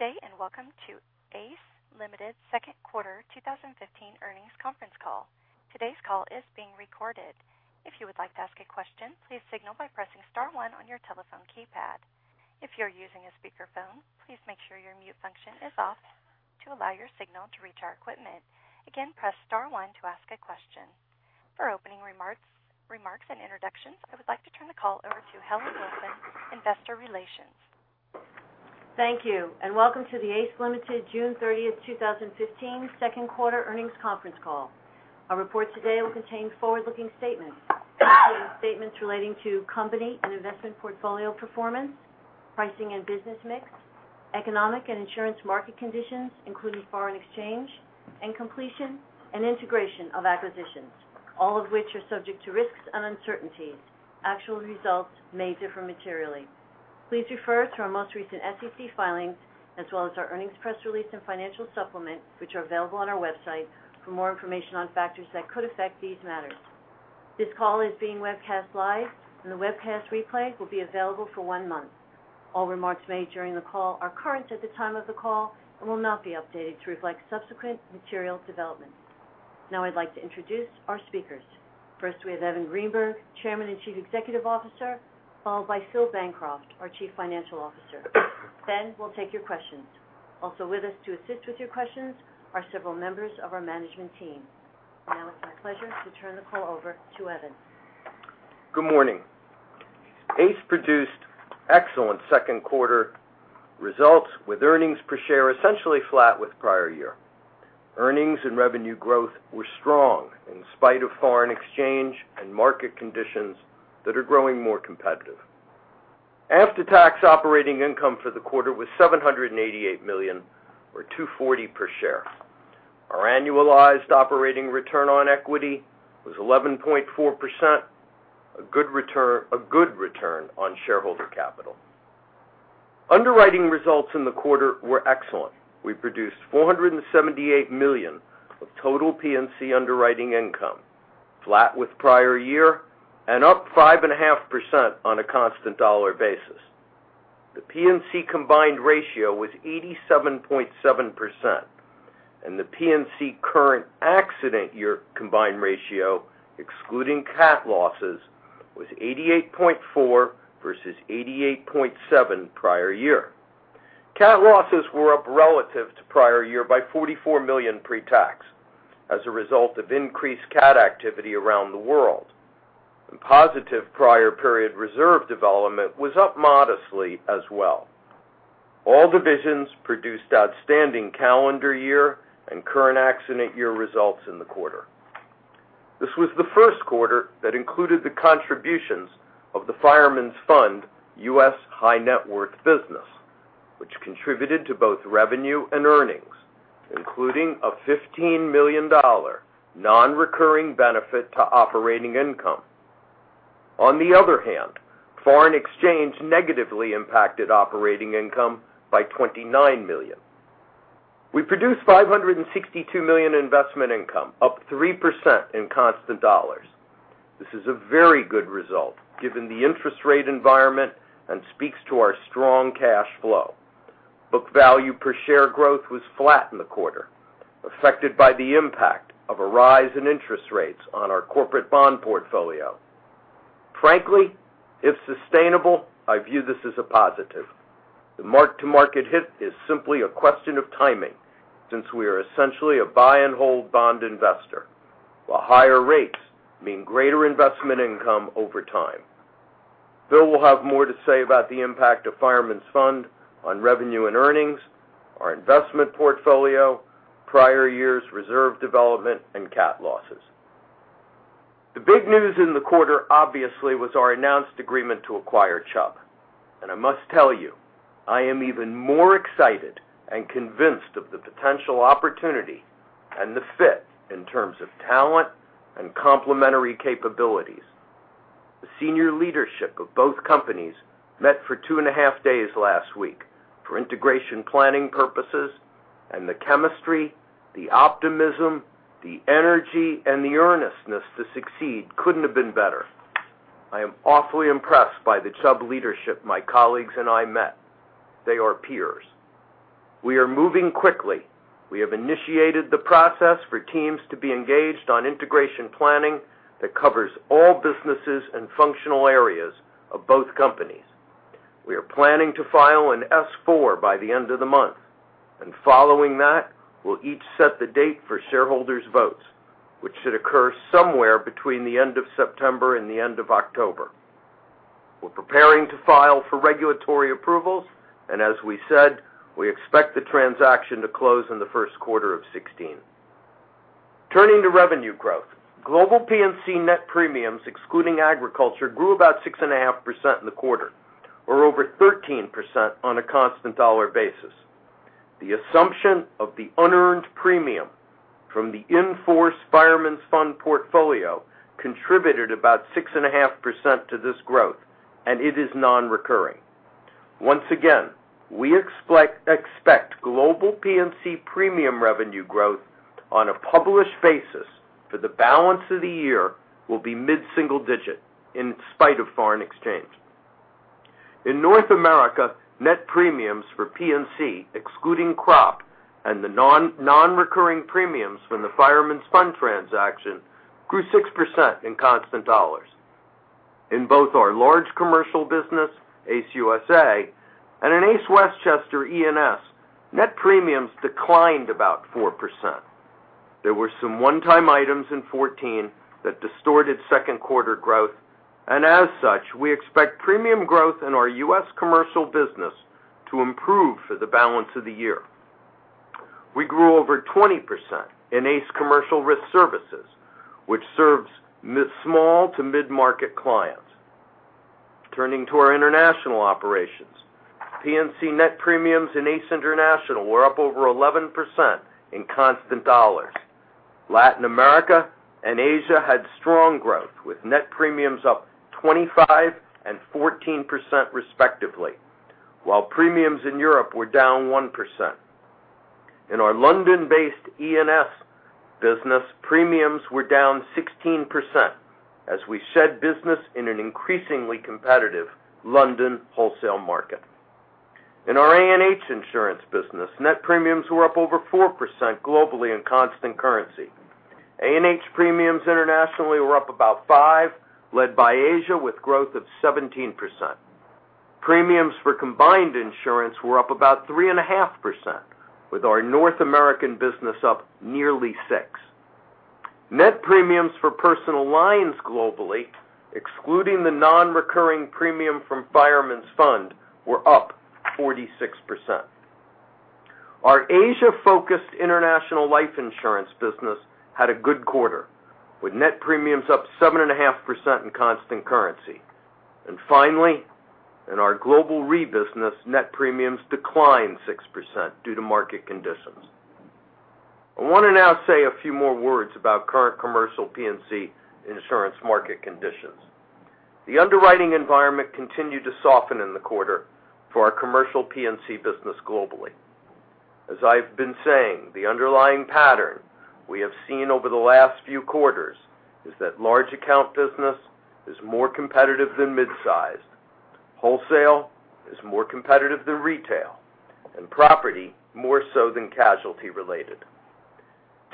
Good day. Welcome to ACE Limited's second quarter 2015 earnings conference call. Today's call is being recorded. If you would like to ask a question, please signal by pressing star one on your telephone keypad. If you're using a speakerphone, please make sure your mute function is off to allow your signal to reach our equipment. Again, press star one to ask a question. For opening remarks and introductions, I would like to turn the call over to Helen Wilson, Investor Relations. Thank you. Welcome to the ACE Limited June 30th, 2015 second quarter earnings conference call. Our report today will contain forward-looking statements, including statements relating to company and investment portfolio performance, pricing and business mix, economic and insurance market conditions, including foreign exchange and completion and integration of acquisitions, all of which are subject to risks and uncertainties. Actual results may differ materially. Please refer to our most recent SEC filings, as well as our earnings press release and financial supplement, which are available on our website for more information on factors that could affect these matters. This call is being webcast live. The webcast replay will be available for one month. All remarks made during the call are current at the time of the call and will not be updated to reflect subsequent material developments. I'd like to introduce our speakers. First we have Evan Greenberg, Chairman and Chief Executive Officer, followed by Phil Bancroft, our Chief Financial Officer. We'll take your questions. Also with us to assist with your questions are several members of our management team. It's my pleasure to turn the call over to Evan. Good morning. ACE produced excellent second quarter results, with earnings per share essentially flat with prior year. Earnings and revenue growth were strong in spite of foreign exchange and market conditions that are growing more competitive. After-tax operating income for the quarter was $788 million, or $240 per share. Our annualized operating return on equity was 11.4%, a good return on shareholder capital. Underwriting results in the quarter were excellent. We produced $478 million of total P&C underwriting income, flat with prior year, up 5.5% on a constant dollar basis. The P&C combined ratio was 87.7%. The P&C current accident year combined ratio, excluding cat losses, was 88.4 versus 88.7 prior year. Cat losses were up relative to prior year by $44 million pre-tax as a result of increased cat activity around the world. Positive prior period reserve development was up modestly as well. All divisions produced outstanding calendar year and current accident year results in the quarter. This was the first quarter that included the contributions of the Fireman's Fund U.S. High Net Worth business, which contributed to both revenue and earnings, including a $15 million non-recurring benefit to operating income. On the other hand, foreign exchange negatively impacted operating income by $29 million. We produced $562 million investment income, up 3% in constant dollars. This is a very good result given the interest rate environment and speaks to our strong cash flow. Book value per share growth was flat in the quarter, affected by the impact of a rise in interest rates on our corporate bond portfolio. Frankly, if sustainable, I view this as a positive. The mark-to-market hit is simply a question of timing, since we are essentially a buy and hold bond investor, while higher rates mean greater investment income over time. Phil will have more to say about the impact of Fireman's Fund on revenue and earnings, our investment portfolio, prior years' reserve development, and cat losses. The big news in the quarter obviously was our announced agreement to acquire Chubb. I must tell you, I am even more excited and convinced of the potential opportunity and the fit in terms of talent and complementary capabilities. The senior leadership of both companies met for two and a half days last week for integration planning purposes. The chemistry, the optimism, the energy, and the earnestness to succeed couldn't have been better. I am awfully impressed by the Chubb leadership my colleagues and I met. They are peers. We are moving quickly. We have initiated the process for teams to be engaged on integration planning that covers all businesses and functional areas of both companies. We are planning to file an S4 by the end of the month. Following that, we'll each set the date for shareholders votes, which should occur somewhere between the end of September and the end of October. We're preparing to file for regulatory approvals. As we said, we expect the transaction to close in the first quarter of 2016. Turning to revenue growth, global P&C net premiums, excluding agriculture, grew about 6.5% in the quarter, or over 13% on a constant dollar basis. The assumption of the unearned premium from the in-force Fireman's Fund portfolio contributed about 6.5% to this growth. It is non-recurring. Once again, we expect global P&C premium revenue growth on a published basis for the balance of the year will be mid-single digit in spite of foreign exchange. In North America, net premiums for P&C, excluding crop and the non-recurring premiums from the Fireman's Fund transaction, grew 6% in constant dollars. In both our large commercial business, ACE USA, and in ACE Westchester E&S, net premiums declined about 4%. There were some one-time items in 2014 that distorted second quarter growth. As such, we expect premium growth in our U.S. commercial business to improve for the balance of the year. We grew over 20% in ACE Commercial Risk Services, which serves small to mid-market clients. Turning to our international operations, P&C net premiums in ACE International were up over 11% in constant dollars. Latin America and Asia had strong growth, with net premiums up 25% and 14%, respectively, while premiums in Europe were down 1%. In our London-based E&S business, premiums were down 16% as we shed business in an increasingly competitive London wholesale market. In our A&H insurance business, net premiums were up over 4% globally in constant currency. A&H premiums internationally were up about 5%, led by Asia, with growth of 17%. Premiums for Combined Insurance were up about 3.5%, with our North American business up nearly 6%. Net premiums for personal lines globally, excluding the non-recurring premium from Fireman's Fund, were up 46%. Our Asia-focused international life insurance business had a good quarter, with net premiums up 7.5% in constant currency. Finally, in our global re-business, net premiums declined 6% due to market conditions. I want to now say a few more words about current commercial P&C insurance market conditions. The underwriting environment continued to soften in the quarter for our commercial P&C business globally. As I've been saying, the underlying pattern we have seen over the last few quarters is that large account business is more competitive than mid-size, wholesale is more competitive than retail, and property more so than casualty related.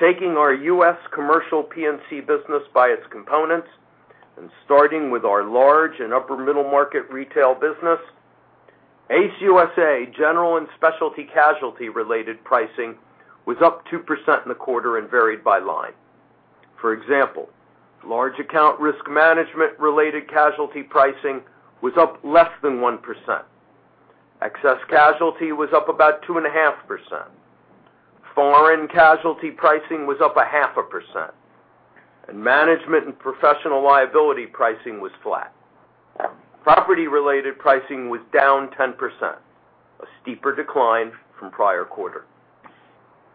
Taking our U.S. commercial P&C business by its components and starting with our large and upper middle market retail business, ACE USA general and specialty casualty related pricing was up 2% in the quarter and varied by line. For example, large account risk management related casualty pricing was up less than 1%. Excess casualty was up about 2.5%. Foreign casualty pricing was up 0.5%, and management and professional liability pricing was flat. Property related pricing was down 10%, a steeper decline from prior quarter.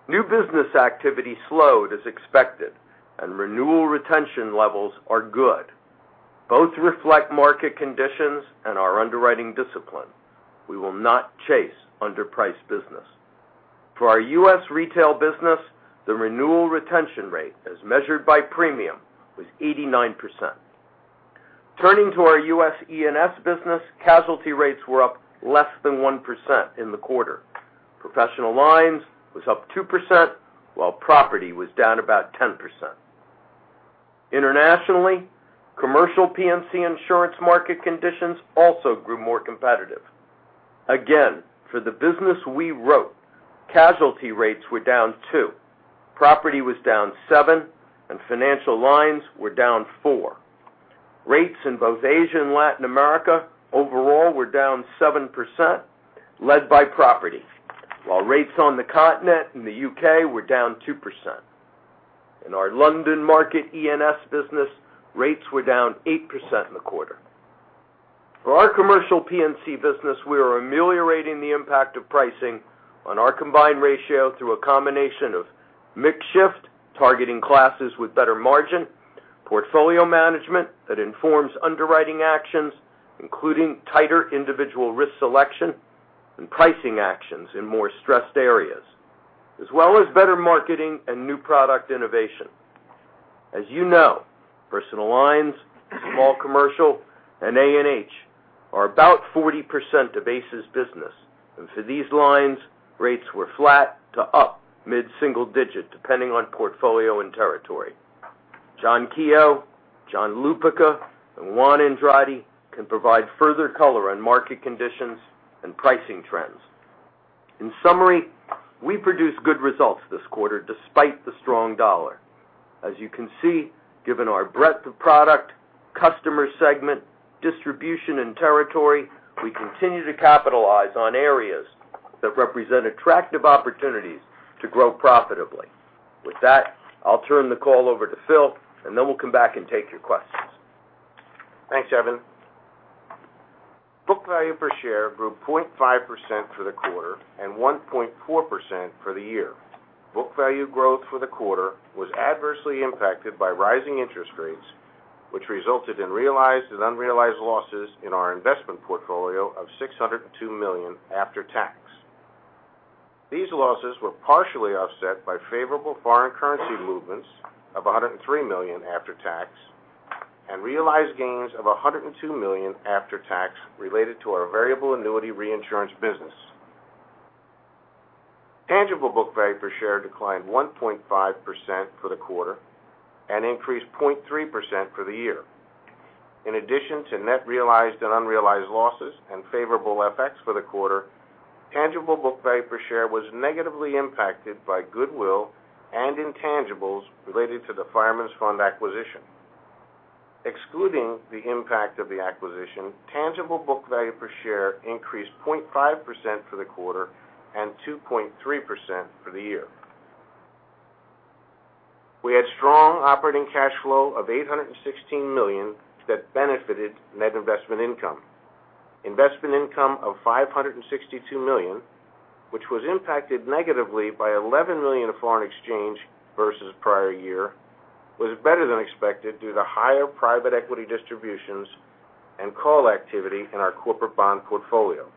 New business activity slowed as expected, and renewal retention levels are good. Both reflect market conditions and our underwriting discipline. We will not chase underpriced business. For our U.S. retail business, the renewal retention rate, as measured by premium, was 89%. Turning to our U.S. E&S business, casualty rates were up less than 1% in the quarter. Professional lines was up 2%, while property was down about 10%. Internationally, commercial P&C insurance market conditions also grew more competitive. Again, for the business we wrote, casualty rates were down 2%, property was down 7%, and financial lines were down 4%. Rates in both Asia and Latin America overall were down 7%, led by property. While rates on the continent in the U.K. were down 2%. In our London market E&S business, rates were down 8% in the quarter. For our commercial P&C business, we are ameliorating the impact of pricing on our combined ratio through a combination of mix shift, targeting classes with better margin, portfolio management that informs underwriting actions, including tighter individual risk selection and pricing actions in more stressed areas, as well as better marketing and new product innovation. As you know, personal lines, small commercial, and A&H are about 40% of ACE's business. For these lines, rates were flat to up mid-single digit, depending on portfolio and territory. John Keough, John Lupica, and Juan Andrade can provide further color on market conditions and pricing trends. In summary, we produced good results this quarter despite the strong dollar. As you can see, given our breadth of product, customer segment, distribution, and territory, we continue to capitalize on areas that represent attractive opportunities to grow profitably. With that, I'll turn the call over to Phil, and then we'll come back and take your questions. Thanks, Evan. Book value per share grew 0.5% for the quarter and 1.4% for the year. Book value growth for the quarter was adversely impacted by rising interest rates, which resulted in realized and unrealized losses in our investment portfolio of $602 million after tax. These losses were partially offset by favorable foreign currency movements of $103 million after tax, and realized gains of $102 million after tax related to our variable annuity reinsurance business. Tangible book value per share declined 1.5% for the quarter and increased 0.3% for the year. In addition to net realized and unrealized losses and favorable FX for the quarter, tangible book value per share was negatively impacted by goodwill and intangibles related to the Fireman's Fund acquisition. Excluding the impact of the acquisition, tangible book value per share increased 0.5% for the quarter and 2.3% for the year. We had strong operating cash flow of $816 million that benefited net investment income. Investment income of $562 million, which was impacted negatively by $11 million of foreign exchange versus prior year, was better than expected due to higher private equity distributions and call activity in our corporate bond portfolio.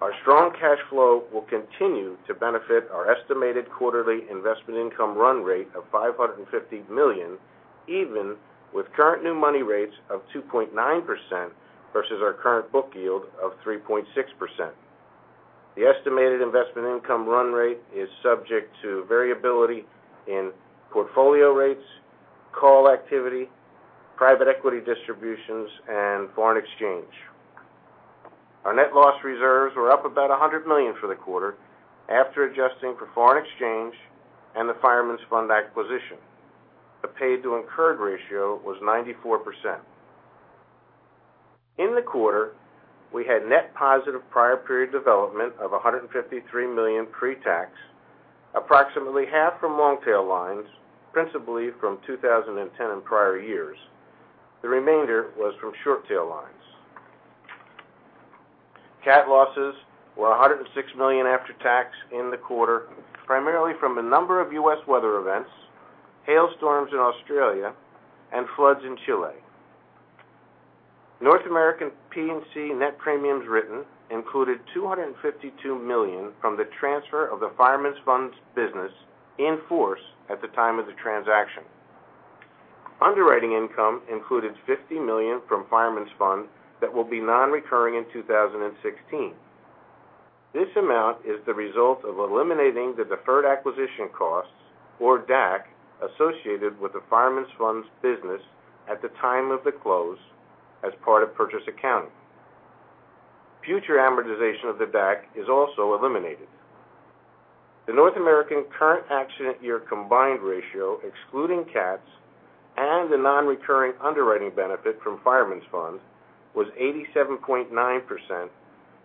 Our strong cash flow will continue to benefit our estimated quarterly investment income run rate of $550 million, even with current new money rates of 2.9% versus our current book yield of 3.6%. The estimated investment income run rate is subject to variability in portfolio rates, call activity, private equity distributions, and foreign exchange. Our net loss reserves were up about $100 million for the quarter after adjusting for foreign exchange and the Fireman's Fund acquisition. The paid to incurred ratio was 94%. In the quarter, we had net positive prior period development of $153 million pre-tax, approximately half from long-tail lines, principally from 2010 and prior years. The remainder was from short-tail lines. Cat losses were $106 million after tax in the quarter, primarily from a number of U.S. weather events, hailstorms in Australia, and floods in Chile. North American P&C net premiums written included $252 million from the transfer of the Fireman's Fund's business in force at the time of the transaction. Underwriting income included $50 million from Fireman's Fund that will be non-recurring in 2016. This amount is the result of eliminating the deferred acquisition costs, or DAC, associated with the Fireman's Fund's business at the time of the close as part of purchase accounting. Future amortization of the DAC is also eliminated. The North American current accident year combined ratio, excluding cats and the non-recurring underwriting benefit from Fireman's Fund, was 87.9%,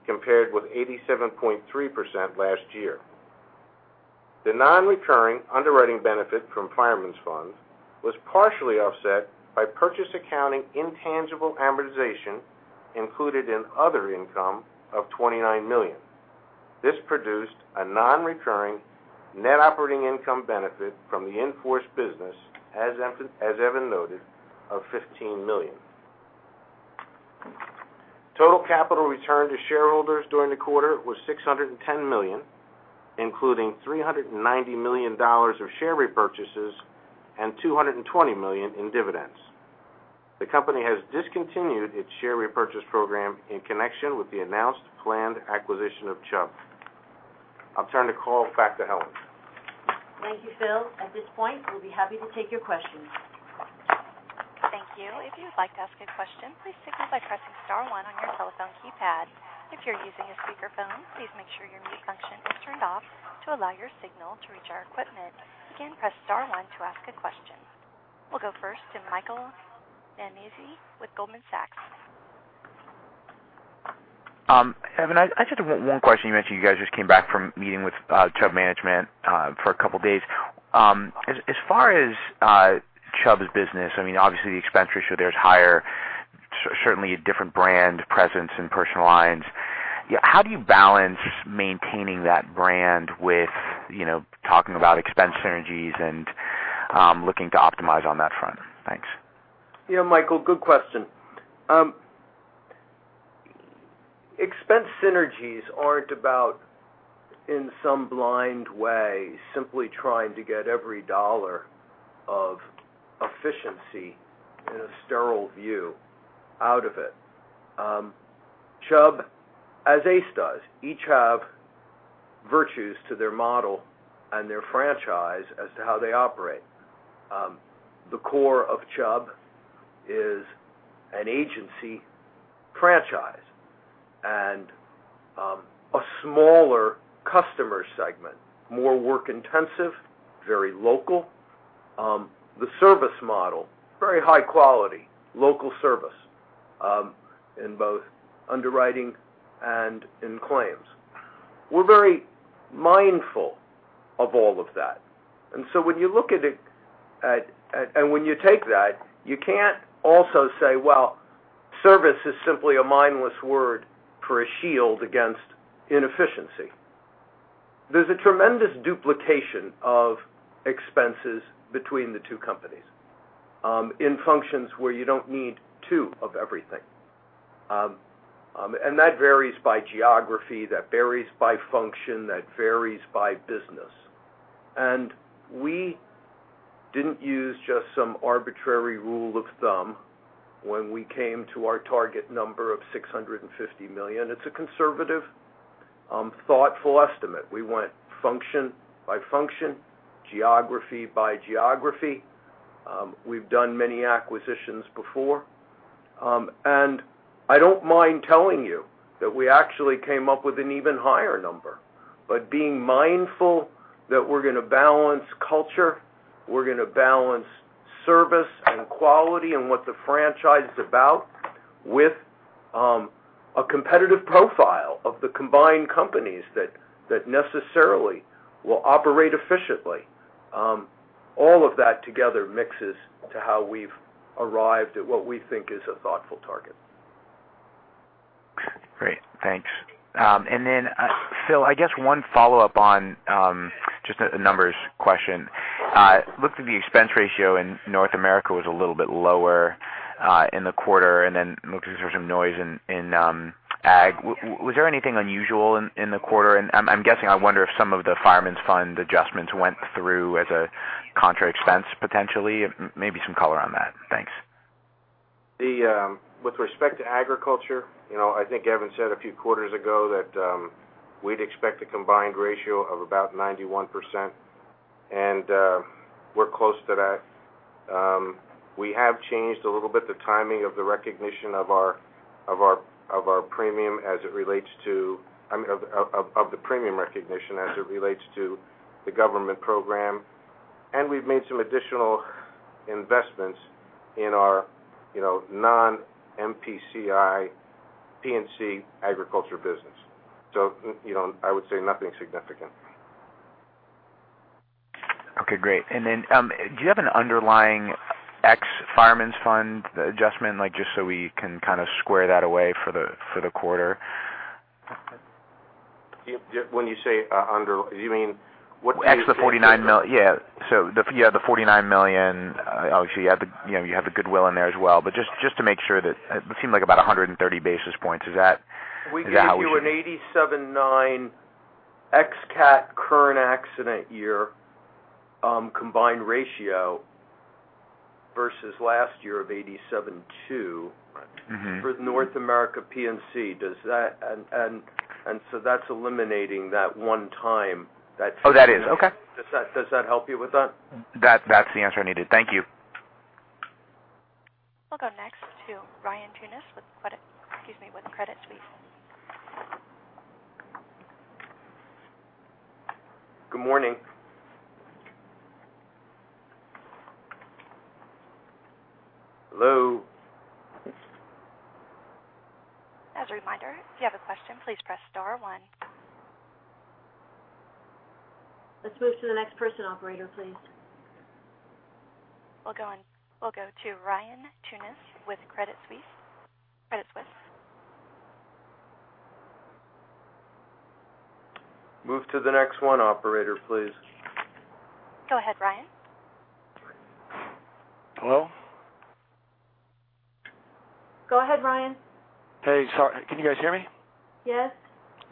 compared with 87.3% last year. The non-recurring underwriting benefit from Fireman's Fund was partially offset by purchase accounting intangible amortization included in other income of $29 million. This produced a non-recurring net operating income benefit from the in-force business, as Evan noted, of $15 million. Total capital return to shareholders during the quarter was $610 million, including $390 million of share repurchases and $220 million in dividends. The company has discontinued its share repurchase program in connection with the announced planned acquisition of Chubb. I'll turn the call back to Helen. Thank you, Phil. At this point, we'll be happy to take your questions. Thank you. If you would like to ask a question, please signal by pressing star one on your telephone keypad. If you're using a speakerphone, please make sure your mute function is turned off to allow your signal to reach our equipment. Again, press star one to ask a question. We'll go first to Michael Nannizzi with Goldman Sachs. Evan, I just have one question. You mentioned you guys just came back from meeting with Chubb management for a couple of days. As far as Chubb's business, obviously, the expense ratio there is higher, certainly a different brand presence in personal lines. How do you balance maintaining that brand with talking about expense synergies and looking to optimize on that front? Thanks. Yeah, Michael, good question. Expense synergies aren't about, in some blind way, simply trying to get every dollar of efficiency in a sterile view out of it. Chubb, as ACE does, each have virtues to their model and their franchise as to how they operate. The core of Chubb is an agency franchise and a smaller customer segment, more work intensive, very local. The service model, very high quality, local service in both underwriting and in claims. We're very mindful of all of that. So when you look at it, and when you take that, you can't also say, well, service is simply a mindless word for a shield against inefficiency. There's a tremendous duplication of expenses between the two companies In functions where you don't need two of everything. That varies by geography, that varies by function, that varies by business. We didn't use just some arbitrary rule of thumb when we came to our target number of $650 million. It's a conservative, thoughtful estimate. We went function by function, geography by geography. We've done many acquisitions before. I don't mind telling you that we actually came up with an even higher number. Being mindful that we're going to balance culture, we're going to balance service and quality and what the franchise is about with a competitive profile of the combined companies that necessarily will operate efficiently. All of that together mixes to how we've arrived at what we think is a thoughtful target. Great, thanks. Then, Phil, I guess one follow-up on just a numbers question. Looked at the expense ratio in North America was a little bit lower in the quarter, then it looks as though some noise in Ag. Was there anything unusual in the quarter? I'm guessing, I wonder if some of the Fireman's Fund adjustments went through as a contra expense, potentially. Maybe some color on that. Thanks. With respect to agriculture, I think Evan said a few quarters ago that we'd expect a combined ratio of about 91%, and we're close to that. We have changed a little bit the timing of the recognition of our premium as it relates to the premium recognition as it relates to the government program. We've made some additional investments in our non-MPCI P&C agriculture business. I would say nothing significant. Okay, great. Do you have an underlying ex-Fireman's Fund adjustment, just so we can kind of square that away for the quarter? When you say under, you mean what- Ex the $49 million. Yeah. You have the $49 million. Obviously, you have the goodwill in there as well. Just to make sure that, it seemed like about 130 basis points. Is that how we should- We gave you an 87.9% ex-CAT current accident year combined ratio versus last year of 87.2% Right. Mm-hmm for the North America P&C. That's eliminating that one time. Oh, that is? Okay. Does that help you with that? That's the answer I needed. Thank you. We'll go next to Ryan Tunis with Credit Suisse. Good morning. Hello? As a reminder, if you have a question, please press star one. Let's move to the next person, operator, please. We'll go to Ryan Tunis with Credit Suisse. Move to the next one, operator, please. Go ahead, Ryan. Hello? Go ahead, Ryan. Hey, sorry. Can you guys hear me? Yes.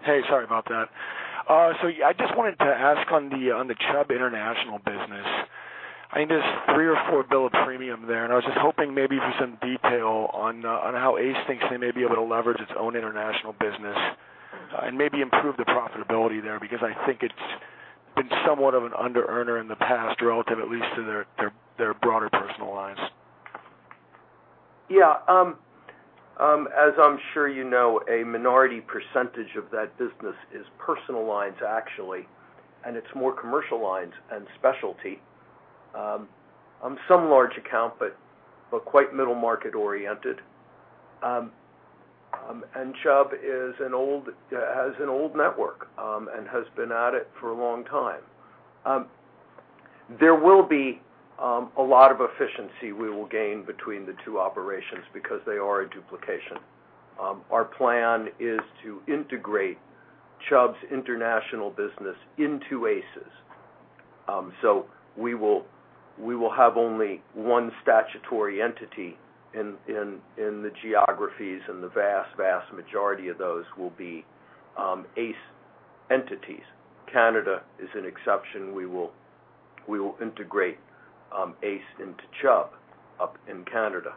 Hey, sorry about that. I just wanted to ask on the Chubb International business. I think there's $3 billion or $4 billion of premium there, and I was just hoping maybe for some detail on how ACE thinks they may be able to leverage its own international business, and maybe improve the profitability there, because I think it's been somewhat of an under earner in the past relative at least to their broader personal lines. Yeah. As I'm sure you know, a minority percentage of that business is personal lines, actually, and it's more commercial lines and specialty. On some large account, but quite middle market oriented. Chubb has an old network, and has been at it for a long time. There will be a lot of efficiency we will gain between the two operations because they are a duplication. Our plan is to integrate Chubb's international business into ACE's. We will have only one statutory entity in the geographies, and the vast majority of those will be ACE entities. Canada is an exception. We will integrate ACE into Chubb up in Canada.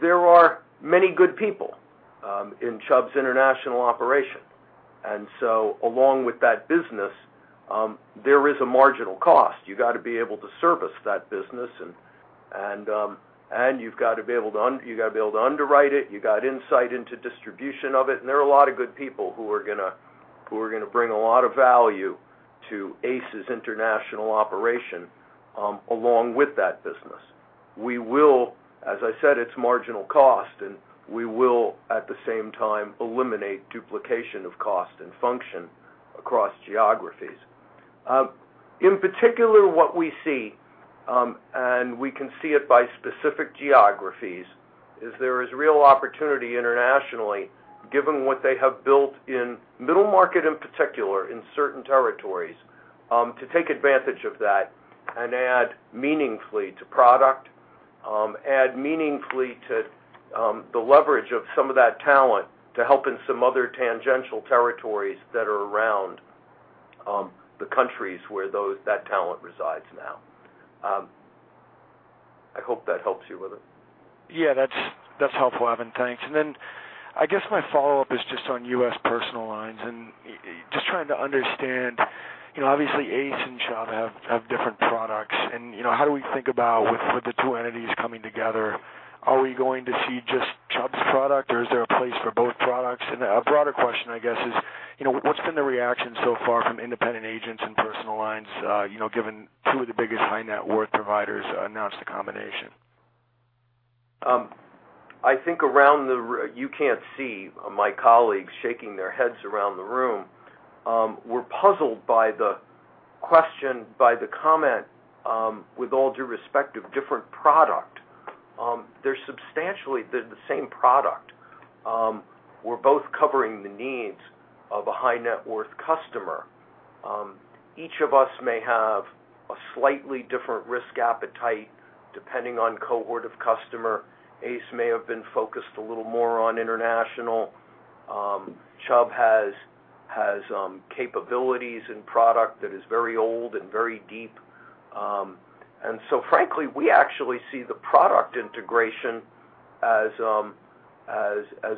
There are many good people in Chubb's international operation. Along with that business, there is a marginal cost. You got to be able to service that business and you've got to be able to underwrite it, you got insight into distribution of it. There are a lot of good people who are going to bring a lot of value to ACE's international operation along with that business. As I said, it's marginal cost. We will, at the same time, eliminate duplication of cost and function across geographies. In particular, what we see, and we can see it by specific geographies Is there is real opportunity internationally, given what they have built in middle market, in particular in certain territories, to take advantage of that and add meaningfully to product, add meaningfully to the leverage of some of that talent to help in some other tangential territories that are around the countries where that talent resides now. I hope that helps you with it. Yeah, that's helpful, Evan. Thanks. I guess my follow-up is just on U.S. personal lines and just trying to understand, obviously ACE and Chubb have different products and how do we think about with the two entities coming together? Are we going to see just Chubb's product, or is there a place for both products? A broader question, I guess is, what's been the reaction so far from independent agents and personal lines, given two of the biggest high net worth providers announced a combination? You can't see my colleagues shaking their heads around the room. We're puzzled by the question, by the comment, with all due respect of different product. They're substantially the same product. We're both covering the needs of a high net worth customer. Each of us may have a slightly different risk appetite depending on cohort of customer. ACE may have been focused a little more on international. Chubb has capabilities in product that is very old and very deep. Frankly, we actually see the product integration as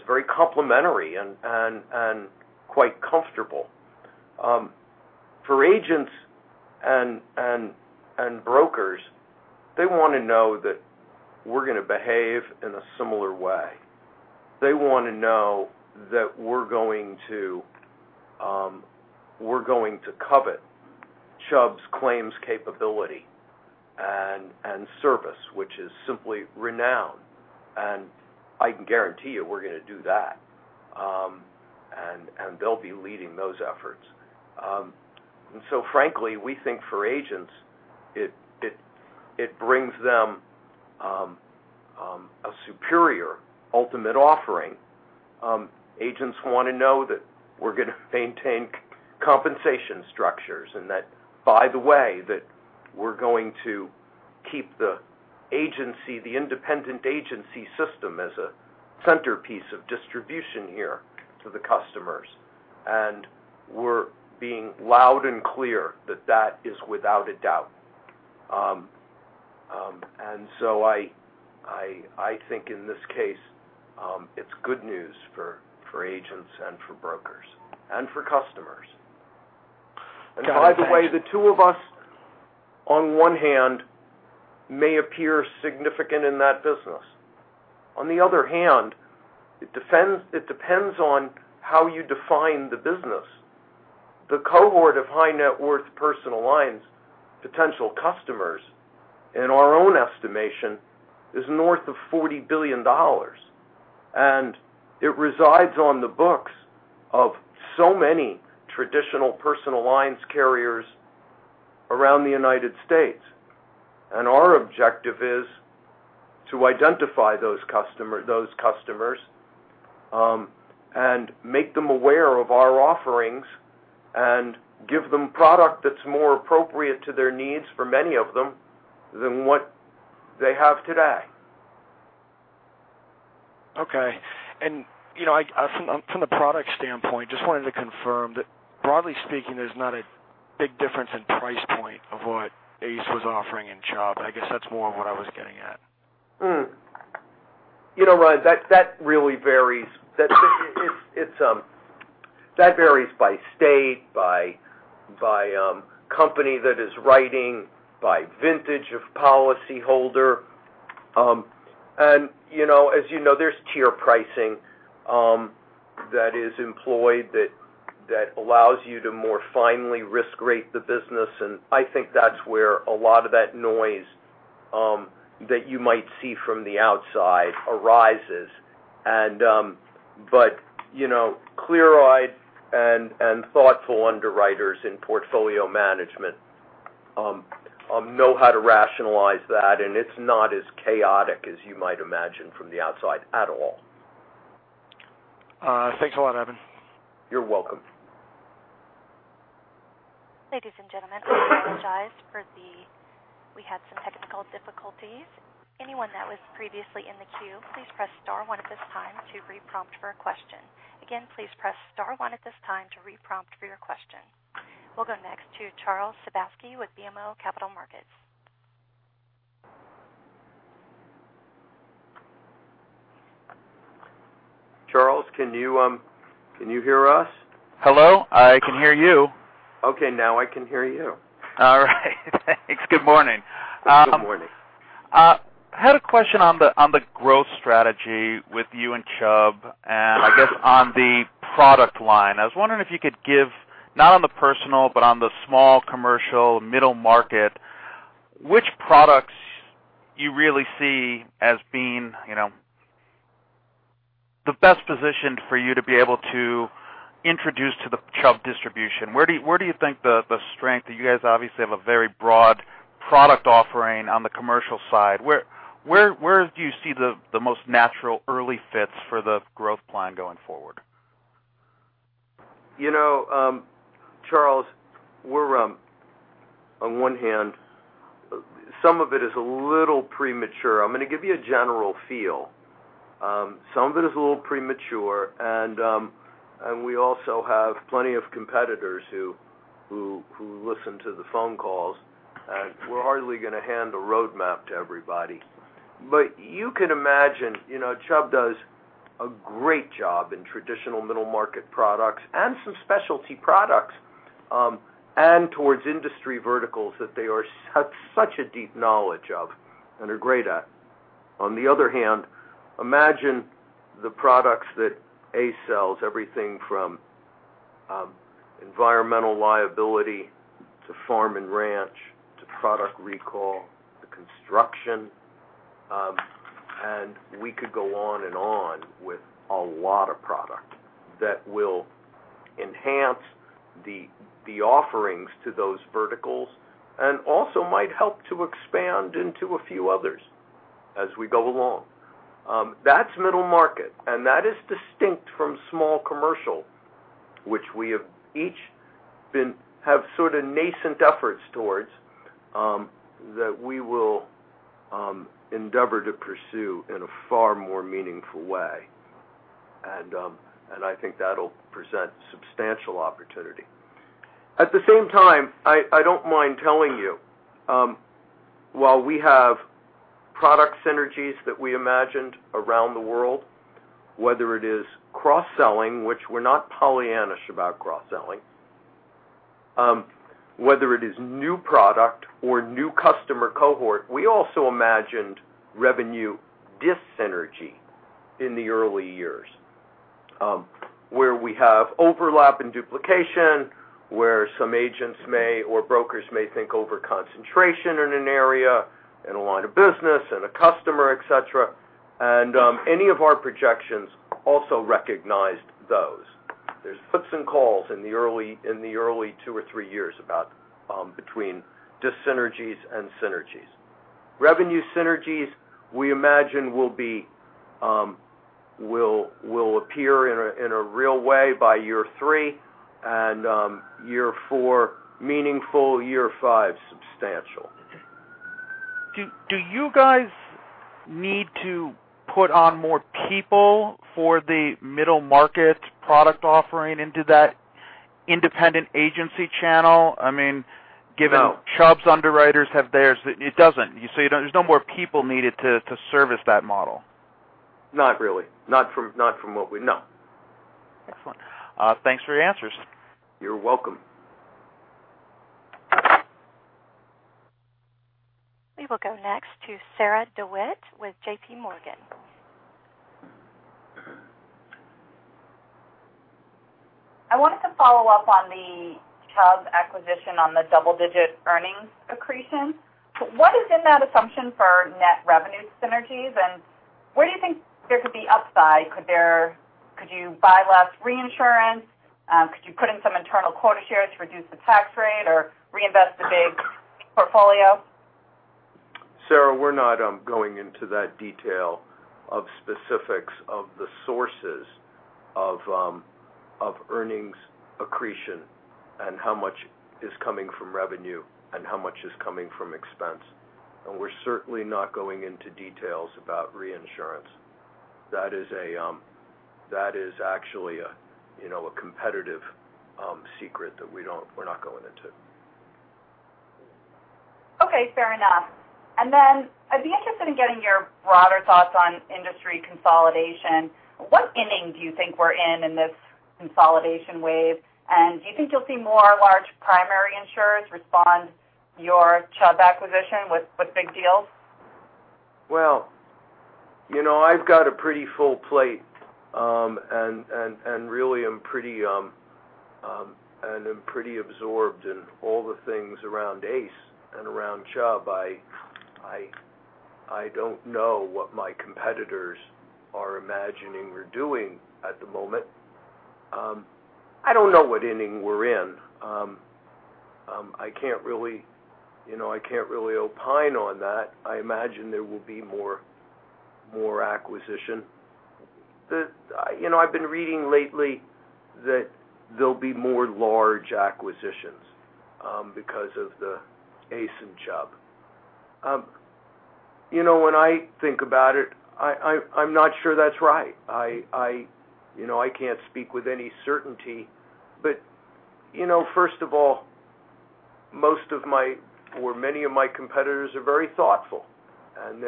very complementary and quite comfortable. For agents and brokers, they want to know that we're going to behave in a similar way. They want to know that we're going to covet Chubb's claims capability and service, which is simply renowned, and I can guarantee you we're going to do that. They'll be leading those efforts. frankly, we think for agents, it brings them a superior ultimate offering. Agents want to know that we're going to maintain compensation structures and that by the way, that we're going to keep the agency, the independent agency system as a centerpiece of distribution here to the customers. We're being loud and clear that that is without a doubt. I think in this case, it's good news for agents and for brokers and for customers. Got it. Thanks. By the way, the two of us, on one hand, may appear significant in that business. On the other hand, it depends on how you define the business. The cohort of high net worth personal lines potential customers in our own estimation is north of $40 billion and it resides on the books of so many traditional personal lines carriers around the U.S. Our objective is to identify those customers and make them aware of our offerings and give them product that's more appropriate to their needs for many of them than what they have today. Okay. From the product standpoint, just wanted to confirm that broadly speaking, there's not a big difference in price point of what ACE was offering and Chubb. I guess that's more of what I was getting at. Ryan, that really varies. That varies by state, by company that is writing, by vintage of policy holder. As you know, there's tier pricing that is employed that allows you to more finely risk rate the business and I think that's where a lot of that noise that you might see from the outside arises. Clear-eyed and thoughtful underwriters in portfolio management know how to rationalize that, and it's not as chaotic as you might imagine from the outside at all. Thanks a lot, Evan. You're welcome. Ladies and gentlemen, I apologize, we had some technical difficulties. Anyone that was previously in the queue, please press star one at this time to reprompt for a question. Again, please press star one at this time to reprompt for your question. We'll go next to Charles Sebaski with BMO Capital Markets. Charles, can you hear us? Hello. I can hear you. Okay, now I can hear you. All right. Thanks. Good morning. Good morning. I had a question on the growth strategy with you and Chubb and I guess on the product line. I was wondering if you could give not on the personal but on the small commercial middle market, which products you really see as being the best position for you to be able to introduce to the Chubb distribution, where do you think the strength that you guys obviously have a very broad product offering on the commercial side? Where do you see the most natural early fits for the growth plan going forward? Charles, on one hand, some of it is a little premature. I'm going to give you a general feel. Some of it is a little premature, and we also have plenty of competitors who listen to the phone calls, and we're hardly going to hand a roadmap to everybody. You can imagine, Chubb does a great job in traditional middle-market products and some specialty products, and towards industry verticals that they have such a deep knowledge of and are great at. On the other hand, imagine the products that ACE sells, everything from environmental liability to farm and ranch, to product recall, to construction. We could go on and on with a lot of product that will enhance the offerings to those verticals and also might help to expand into a few others as we go along. That's middle market, and that is distinct from small commercial, which we each have sort of nascent efforts towards, that we will endeavor to pursue in a far more meaningful way. I think that'll present substantial opportunity. At the same time, I don't mind telling you, while we have product synergies that we imagined around the world, whether it is cross-selling, which we're not Pollyannish about cross-selling. Whether it is new product or new customer cohort, we also imagined revenue dyssynergy in the early years, where we have overlap and duplication, where some agents or brokers may think overconcentration in an area, in a line of business, in a customer, et cetera. Any of our projections also recognized those. There's flips and calls in the early two or three years between dyssynergies and synergies. Revenue synergies we imagine will appear in a real way by year three, and year four, meaningful, year five, substantial. Do you guys need to put on more people for the middle market product offering into that independent agency channel? No Chubb's underwriters have theirs. It doesn't. There's no more people needed to service that model? Not really. Not from what no. Excellent. Thanks for your answers. You're welcome. We will go next to Sarah DeWitt with JPMorgan. I wanted to follow up on the Chubb acquisition on the double-digit earnings accretion. What is in that assumption for net revenue synergies, and where do you think there could be upside? Could you buy less reinsurance? Could you put in some internal quota shares to reduce the tax rate or reinvest the big portfolio? Sarah, we're not going into that detail of specifics of the sources of earnings accretion and how much is coming from revenue and how much is coming from expense. We're certainly not going into details about reinsurance. That is actually a competitive secret that we're not going into. Okay, fair enough. Then I'd be interested in getting your broader thoughts on industry consolidation. What inning do you think we're in in this consolidation wave? Do you think you'll see more large primary insurers respond to your Chubb acquisition with big deals? Well, I've got a pretty full plate, and really am pretty absorbed in all the things around ACE and around Chubb. I don't know what my competitors are imagining or doing at the moment. I don't know what inning we're in. I can't really opine on that. I imagine there will be more acquisition. I've been reading lately that there'll be more large acquisitions because of the ACE and Chubb. When I think about it, I'm not sure that's right. I can't speak with any certainty. First of all, most of my, or many of my competitors are very thoughtful, and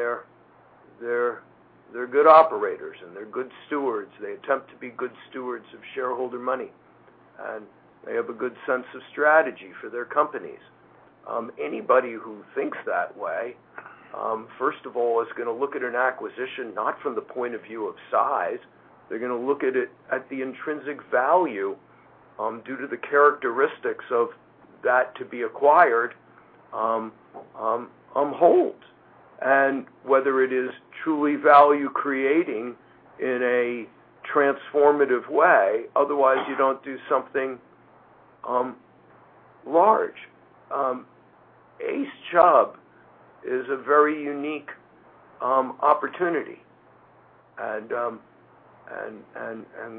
they're good operators, and they're good stewards. They attempt to be good stewards of shareholder money, and they have a good sense of strategy for their companies. Anybody who thinks that way, first of all, is going to look at an acquisition not from the point of view of size. They're going to look at the intrinsic value due to the characteristics of that to be acquired. Whether it is truly value creating in a transformative way, otherwise you don't do something large. ACE Chubb is a very unique opportunity, and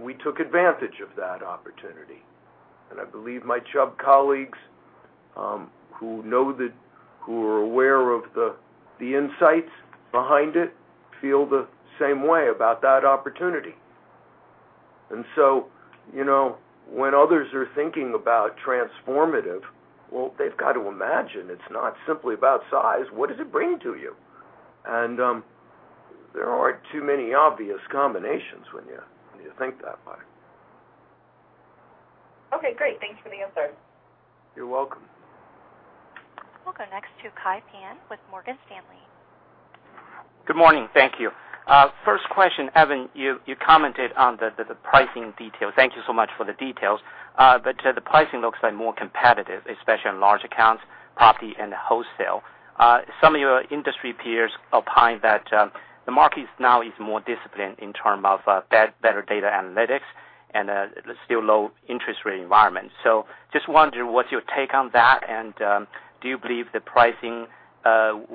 we took advantage of that opportunity. I believe my Chubb colleagues who are aware of the insights behind it, feel the same way about that opportunity. So, when others are thinking about transformative, well, they've got to imagine it's not simply about size, what does it bring to you? There aren't too many obvious combinations when you think that way. Okay, great. Thanks for the answer. You're welcome. We'll go next to Kai Pan with Morgan Stanley. Good morning. Thank you. First question, Evan, you commented on the pricing detail. Thank you so much for the details. The pricing looks like more competitive, especially on large accounts, property, and wholesale. Some of your industry peers opine that the market now is more disciplined in term of better data analytics and still low interest rate environment. Just wonder what's your take on that and do you believe the competitiveness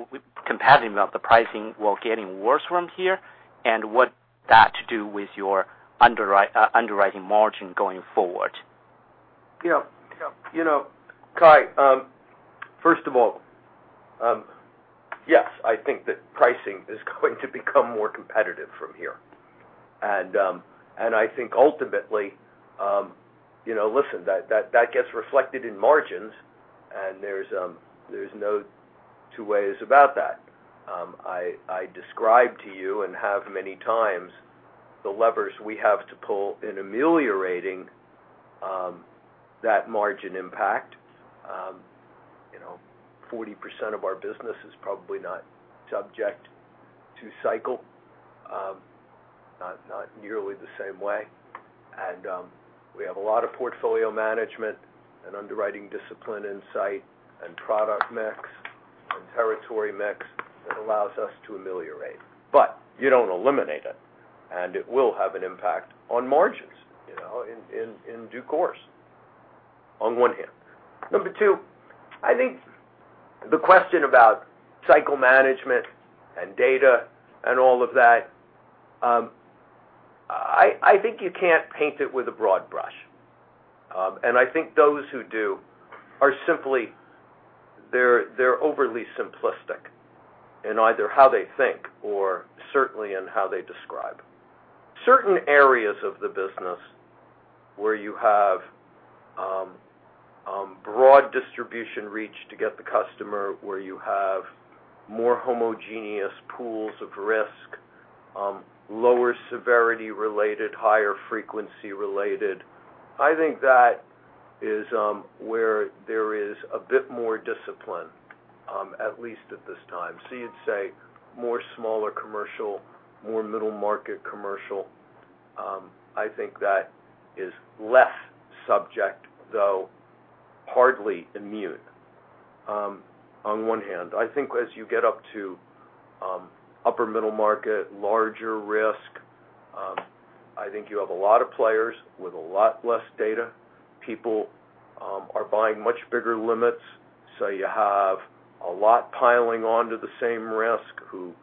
of the pricing will getting worse from here and what that do with your underwriting margin going forward? Kai, first of all, yes, I think that pricing is going to become more competitive from here. I think ultimately, listen, that gets reflected in margins and there's no two ways about that. I described to you and have many times the levers we have to pull in ameliorating that margin impact. 40% of our business is probably not subject to cycle, not nearly the same way. We have a lot of portfolio management and underwriting discipline insight and product mix and territory mix that allows us to ameliorate. You don't eliminate it, and it will have an impact on margins in due course, on one hand. Number two, I think the question about cycle management and data and all of that, I think you can't paint it with a broad brush. I think those who do, they're overly simplistic in either how they think or certainly in how they describe. Certain areas of the business where you have broad distribution reach to get the customer, where you have more homogeneous pools of risk, lower severity related, higher frequency related, I think that is where there is a bit more discipline, at least at this time. You'd say more smaller commercial, more middle market commercial, I think that is less subject, though hardly immune, on one hand. I think as you get up to upper middle market, larger risk, I think you have a lot of players with a lot less data. People are buying much bigger limits. You have a lot piling onto the same risk who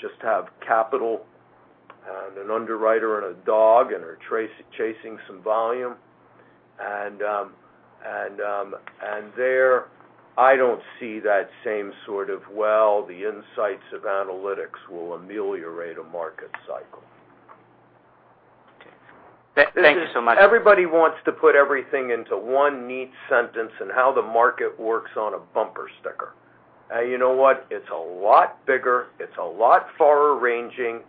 just have capital and an underwriter and a dog and are chasing some volume. There, I don't see that same sort of, well, the insights of analytics will ameliorate a market cycle. Okay. Thank you so much. Everybody wants to put everything into one neat sentence and how the market works on a bumper sticker. You know what? It's a lot bigger, it's a lot far-ranging,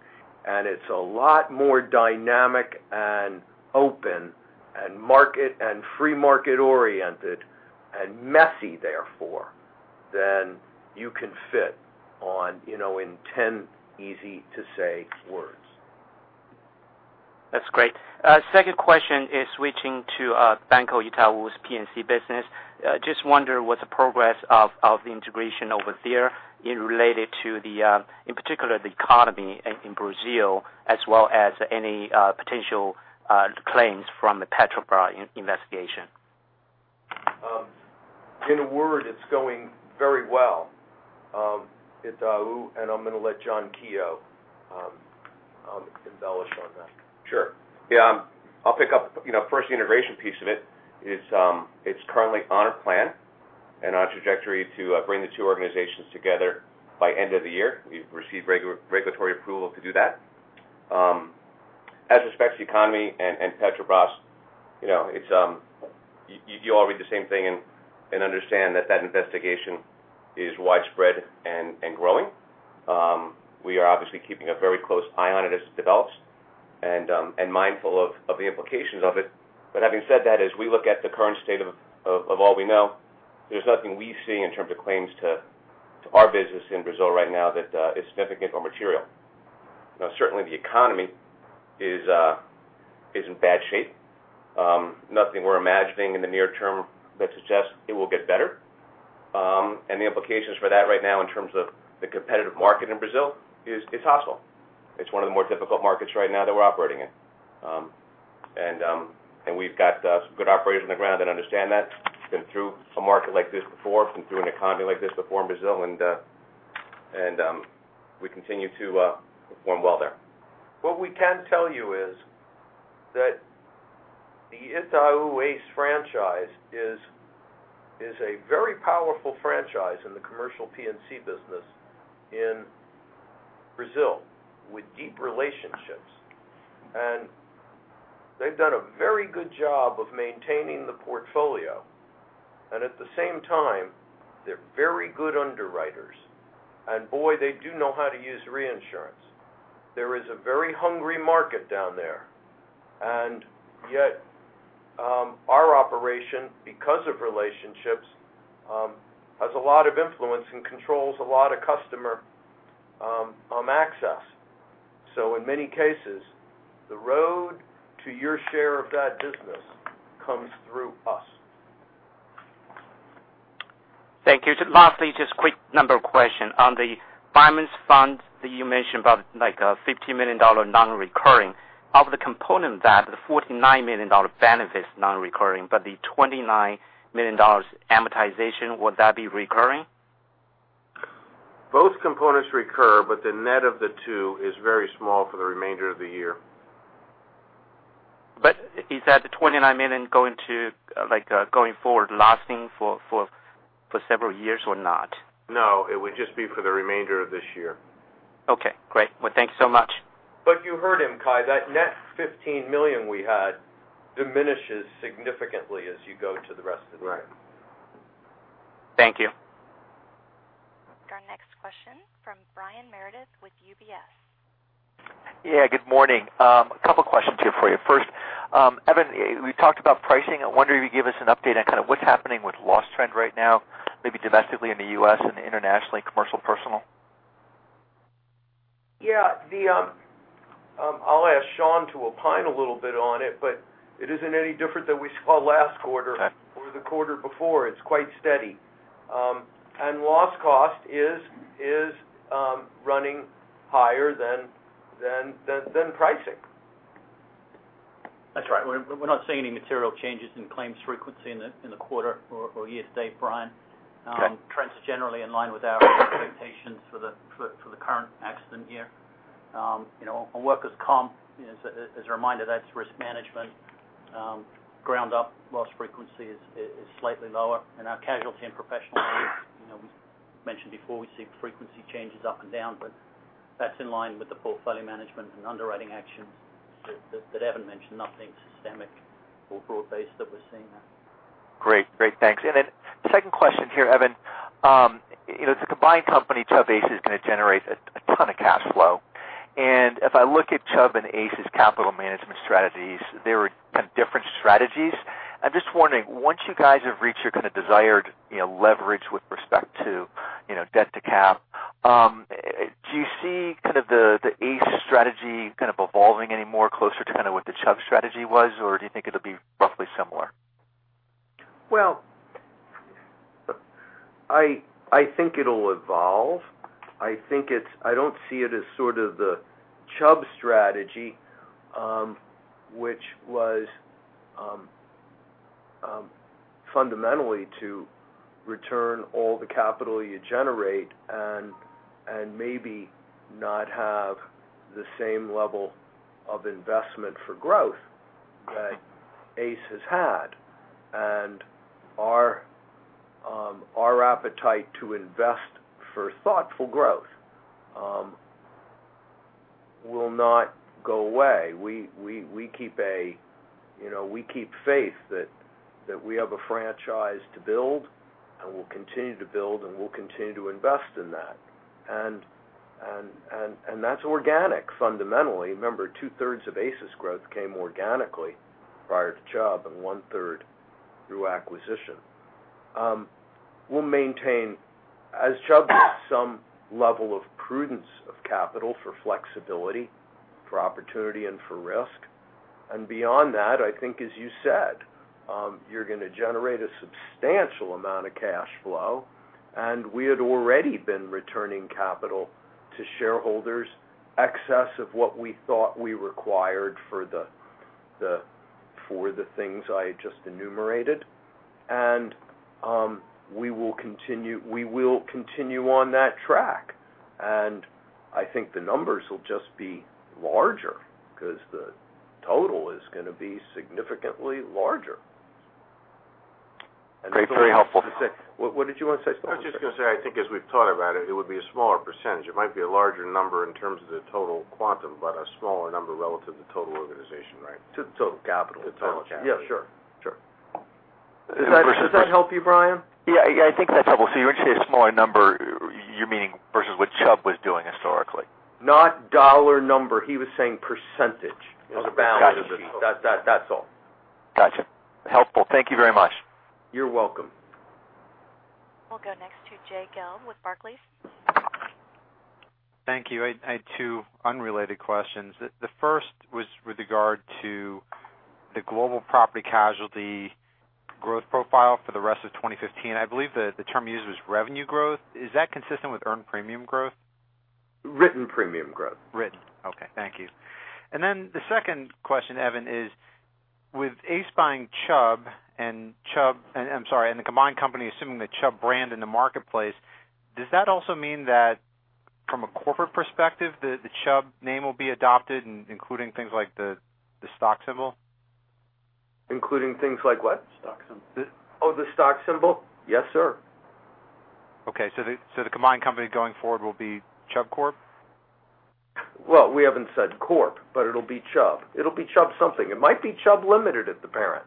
it's a lot more dynamic and open and free market oriented and messy therefore, than you can fit in 10 easy to say words. That's great. Second question is switching to Banco Itaú's P&C business. Just wonder what the progress of the integration over there related to, in particular, the economy in Brazil, as well as any potential claims from the Petrobras investigation. In a word, it's going very well, Itaú. I'm going to let John Keough embellish on that. Sure. Yeah. I'll pick up first the integration piece of it. It's currently on our plan and our trajectory to bring the two organizations together by end of the year. We've received regulatory approval to do that. As respects to economy and Petrobras, you all read the same thing and understand that that investigation is widespread and growing. We are obviously keeping a very close eye on it as it develops and mindful of the implications of it. Having said that, as we look at the current state of all we know, there's nothing we see in terms of claims to our business in Brazil right now that is significant or material. Certainly, the economy is in bad shape. Nothing we're imagining in the near term that suggests it will get better. The implications for that right now in terms of the competitive market in Brazil is it's hostile. It's one of the more difficult markets right now that we're operating in. We've got some good operators on the ground that understand that. We've been through a market like this before, been through an economy like this before in Brazil, and we continue to perform well there. What we can tell you is that the Itaú ACE franchise is a very powerful franchise in the commercial P&C business in Brazil, with deep relationships. They've done a very good job of maintaining the portfolio. At the same time, they're very good underwriters. Boy, they do know how to use reinsurance. There is a very hungry market down there. Yet, our operation, because of relationships, has a lot of influence and controls a lot of customer access. In many cases, the road to your share of that business comes through us. Thank you. Lastly, just quick number of question. On the Fireman's Fund that you mentioned about like a $15 million non-recurring. Of the component that the $49 million benefit is non-recurring, but the $29 million amortization, would that be recurring? Both components recur, but the net of the two is very small for the remainder of the year. Is that the $29 million going forward lasting for several years or not? No, it would just be for the remainder of this year. Okay, great. Well, thanks so much. You heard him, Kai, that net $15 million we had diminishes significantly as you go to the rest of the year. Right. Thank you. Our next question from Brian Meredith with UBS. Yeah, good morning. Couple questions here for you. First, Evan, we talked about pricing. I wonder if you give us an update on kind of what's happening with loss trend right now, maybe domestically in the U.S. and internationally commercial personal. Yeah. I'll ask Sean to opine a little bit on it. It isn't any different than we saw last quarter. Okay or the quarter before. It's quite steady. Loss cost is running higher than pricing. That's right. We're not seeing any material changes in claims frequency in the quarter or year to date, Brian. Okay. Trends are generally in line with our expectations for the current accident year. On workers' compensation, as a reminder, that's risk management, ground up loss frequency is slightly lower. Our casualty and professional we mentioned before, we see frequency changes up and down, but that's in line with the portfolio management and underwriting actions that Evan mentioned, nothing systemic or broad based that we're seeing there. Great. Thanks. Then second question here, Evan. As a combined company, Chubb ACE is going to generate a ton of cash flow. If I look at Chubb and ACE's capital management strategies, they were kind of different strategies. I'm just wondering, once you guys have reached your kind of desired leverage with respect to debt to cap, do you see kind of the ACE strategy kind of evolving any more closer to kind of what the Chubb strategy was, or do you think it'll be roughly similar? Well, I think it'll evolve. I don't see it as sort of the Chubb strategy, which was fundamentally to return all the capital you generate and maybe not have the same level of investment for growth that ACE has had. Our appetite to invest for thoughtful growth will not go away. We keep faith that we have a franchise to build and we'll continue to build, and we'll continue to invest in that. That's organic fundamentally. Remember, two-thirds of ACE's growth came organically prior to Chubb and one-third through acquisition. We'll maintain, as Chubb does, some level of prudence of capital for flexibility, for opportunity, and for risk. Beyond that, I think as you said, you're going to generate a substantial amount of cash flow, and we had already been returning capital to shareholders excess of what we thought we required for the things I just enumerated. We will continue on that track, and I think the numbers will just be larger because the total is going to be significantly larger. Great, very helpful. What did you want to say, Scott? I was just going to say, I think as we've thought about it would be a smaller percentage. It might be a larger number in terms of the total quantum, but a smaller number relative to total organization, right? To total capital. To total capital. Yeah, sure. Does that help you, Brian? Yeah, I think that's helpful. When you say a smaller number, you're meaning versus what Chubb was doing historically. Not dollar number. He was saying percentage of the balance sheet. Got it. That's all. Got you. Helpful. Thank you very much. You're welcome. We'll go next to Jay Gelb with Barclays. Thank you. I had two unrelated questions. The first was with regard to the global property casualty growth profile for the rest of 2015. I believe that the term used was revenue growth. Is that consistent with earned premium growth? Written premium growth. Written. Okay, thank you. The second question, Evan, is with ACE buying Chubb and the combined company assuming the Chubb brand in the marketplace, does that also mean that from a corporate perspective, the Chubb name will be adopted, including things like the stock symbol? Including things like what? Stock symbol. Oh, the stock symbol? Yes, sir. Okay, the combined company going forward will be Chubb Corp? Well, we haven't said Corp, it'll be Chubb. It'll be Chubb something. It might be Chubb Limited as the parent.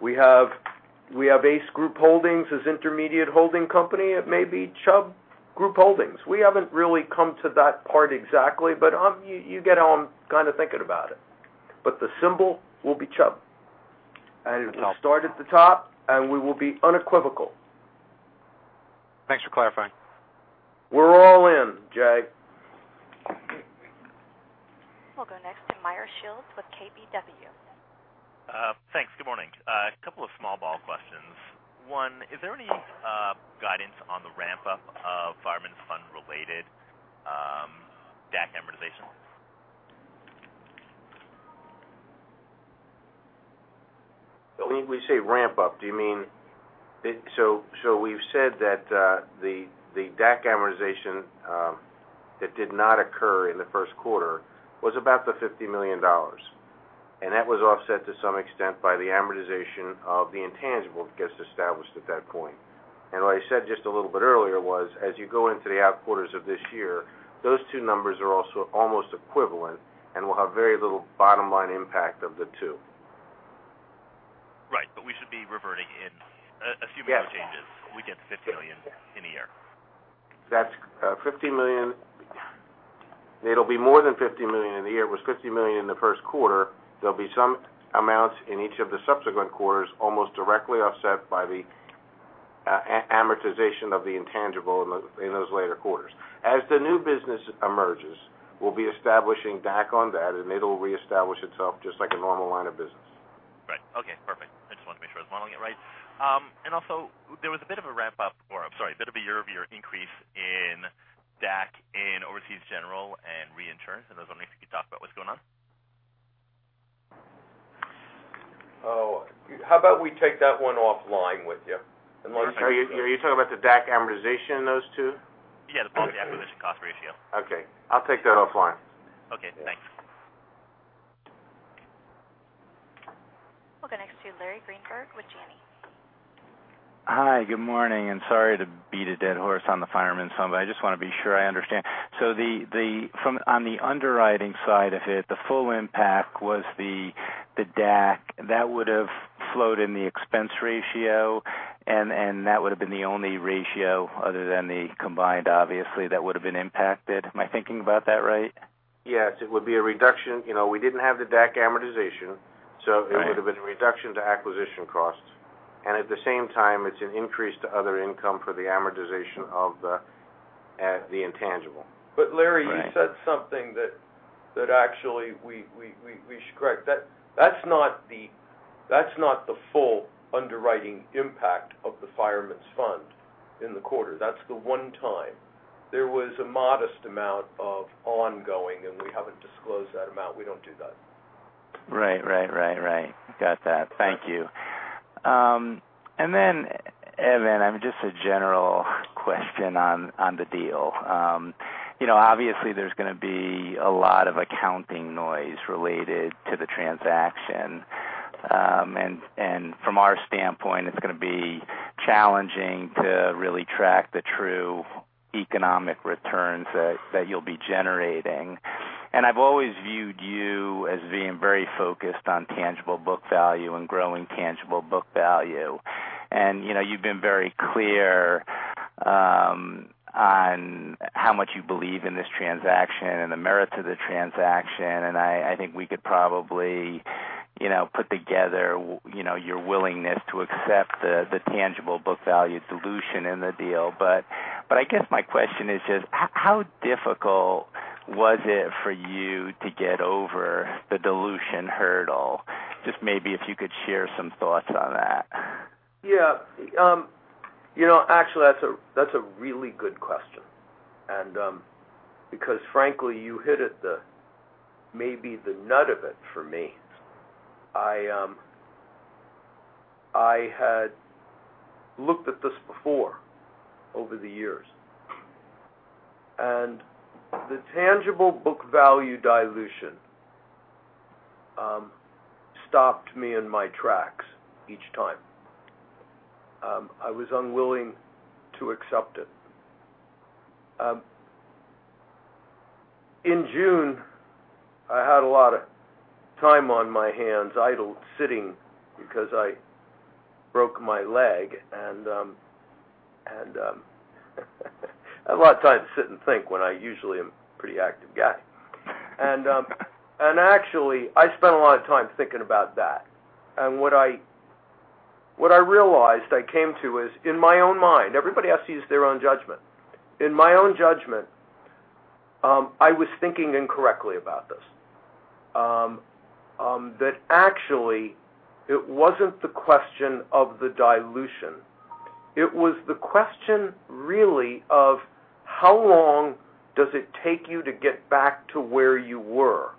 We have ACE Group Holdings as intermediate holding company. It may be Chubb Group Holdings. We haven't really come to that part exactly, you get how I'm kind of thinking about it. The symbol will be Chubb. It will start at the top, we will be unequivocal. Thanks for clarifying. We're all in, Jay. We'll go next to Meyer Shields with KBW. Thanks. Good morning. A couple of small ball questions. One, is there any guidance on the ramp-up of Fireman's Fund related DAC amortization? When we say ramp-up, we've said that the DAC amortization that did not occur in the first quarter was about the $50 million. That was offset to some extent by the amortization of the intangible that gets established at that point. What I said just a little bit earlier was, as you go into the out quarters of this year, those two numbers are also almost equivalent, and we'll have very little bottom-line impact of the two. Right. We should be reverting in assuming no changes Yes we get $50 million in a year. That's $50 million. It'll be more than $50 million in the year. It was $50 million in the first quarter. There'll be some amounts in each of the subsequent quarters, almost directly offset by the amortization of the intangible in those later quarters. As the new business emerges, we'll be establishing DAC on that, and it'll reestablish itself just like a normal line of business. Right. Okay, perfect. I just wanted to make sure I was modeling it right. Also, there was a bit of a year-over-year increase in DAC in ACE Overseas General and reinsurance. I was wondering if you could talk about what's going on. How about we take that one offline with you? Unless- Are you talking about the DAC amortization in those two? Yeah, the policy acquisition cost ratio. Okay. I'll take that offline. Okay, thanks. We'll go next to Larry Greenberg with Janney. Hi, good morning. Sorry to beat a dead horse on the Fireman's Fund, I just want to be sure I understand. On the underwriting side of it, the full impact was the DAC. That would have flowed in the expense ratio, and that would have been the only ratio other than the combined, obviously, that would have been impacted. Am I thinking about that right? Yes, it would be a reduction. We didn't have the DAC amortization. It would have been a reduction to acquisition costs. At the same time, it's an increase to other income for the amortization of the intangible. Larry, you said something that actually we should correct. That's not the full underwriting impact of the Fireman's Fund in the quarter. That's the one time. There was a modest amount of ongoing, and we haven't disclosed that amount. We don't do that. Right. Got that. Thank you. Evan, just a general question on the deal. Obviously, there's going to be a lot of accounting noise related to the transaction, and from our standpoint, it's going to be challenging to really track the true economic returns that you'll be generating. I've always viewed you as being very focused on tangible book value and growing tangible book value. You've been very clear on how much you believe in this transaction and the merits of the transaction, and I think we could probably put together your willingness to accept the tangible book value dilution in the deal. I guess my question is just how difficult was it for you to get over the dilution hurdle? Just maybe if you could share some thoughts on that. Actually, that's a really good question because frankly, you hit it maybe the nut of it for me. I had looked at this before over the years, and the tangible book value dilution stopped me in my tracks each time. I was unwilling to accept it. In June, I had a lot of time on my hands idle sitting because I broke my leg and I have a lot of time to sit and think when I usually am pretty active guy. Actually, I spent a lot of time thinking about that. What I realized I came to is, in my own mind, everybody has to use their own judgment. In my own judgment, I was thinking incorrectly about this. That actually it wasn't the question of the dilution. It was the question really of how long does it take you to get back to where you were?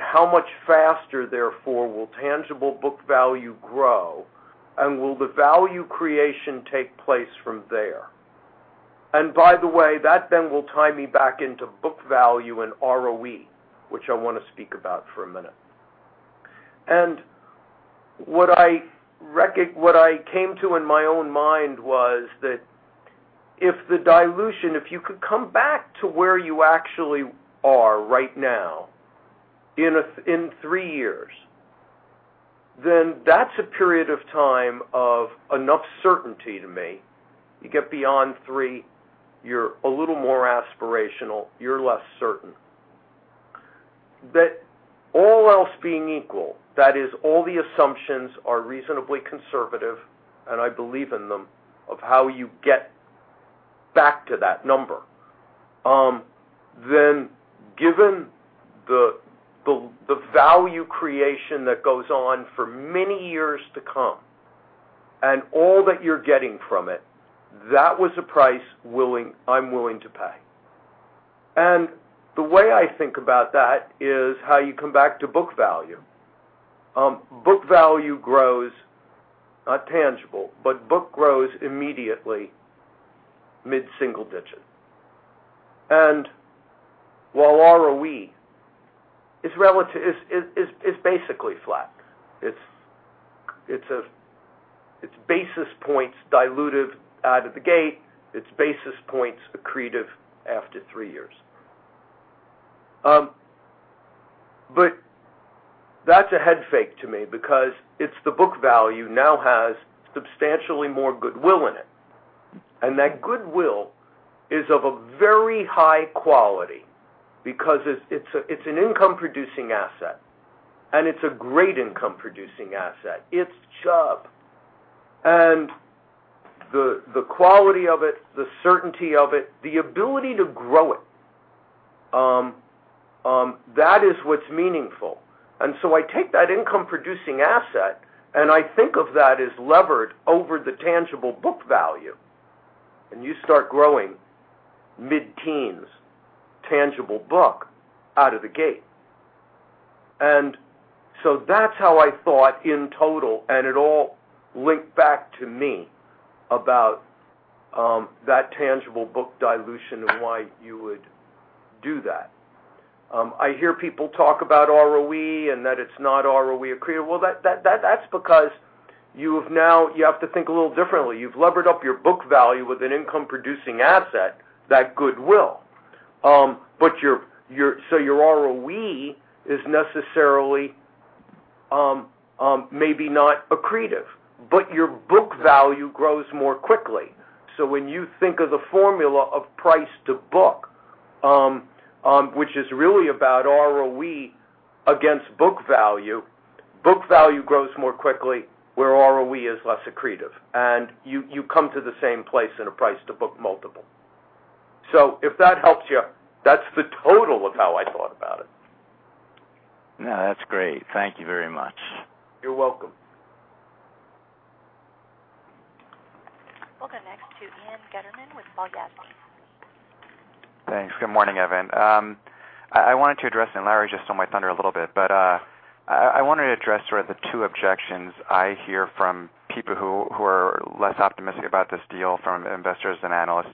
How much faster therefore will tangible book value grow? Will the value creation take place from there? By the way, that then will tie me back into book value and ROE, which I want to speak about for a minute. What I came to in my own mind was that if the dilution, if you could come back to where you actually are right now in 3 years, that's a period of time of enough certainty to me. You get beyond 3, you're a little more aspirational, you're less certain. That all else being equal, that is all the assumptions are reasonably conservative, and I believe in them, of how you get back to that number. Given the value creation that goes on for many years to come, and all that you're getting from it, that was a price I'm willing to pay. The way I think about that is how you come back to book value. Book value grows, not tangible, but book grows immediately mid-single digit. While ROE is basically flat. It's basis points dilutive out of the gate. It's basis points accretive after 3 years. That's a head fake to me because it's the book value now has substantially more goodwill in it. That goodwill is of a very high quality because it's an income producing asset, and it's a great income producing asset. It's Chubb. The quality of it, the certainty of it, the ability to grow it, that is what's meaningful. I take that income producing asset, and I think of that as levered over the tangible book value, and you start growing mid-teens tangible book out of the gate. That's how I thought in total, and it all linked back to me about that tangible book dilution and why you would do that. I hear people talk about ROE and that it's not ROE accretive. Well, that's because you have to think a little differently. You've levered up your book value with an income producing asset, that goodwill. Your ROE is necessarily maybe not accretive, but your book value grows more quickly. When you think of the formula of price to book, which is really about ROE against book value, book value grows more quickly where ROE is less accretive. You come to the same place in a price to book multiple. If that helps you, that's the total of how I thought about it. No, that's great. Thank you very much. You're welcome. We'll go next to Ian Gutterman with Balyasny. Thanks. Good morning, Evan. I wanted to address, Larry just stole my thunder a little bit, but I wanted to address sort of the two objections I hear from people who are less optimistic about this deal from investors and analysts.